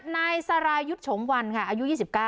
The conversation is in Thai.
นายสรายุทธ์โฉมวันค่ะอายุ๒๙